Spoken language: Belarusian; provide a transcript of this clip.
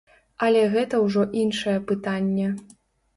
Але гэта ўжо іншае пытанне.